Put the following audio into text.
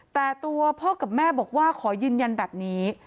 แต่ตัวพ่อกับแม่บอกว่าขอยืนยันแบบนี้